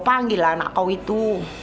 panggillah anak kau itu